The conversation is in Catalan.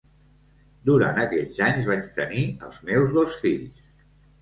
Durant aquells anys vaig tenir els meus dos fills.